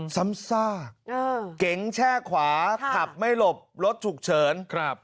ซ้ำซากเก๋งแช่ขวาขับไม่หลบรถฉุกเฉินครับ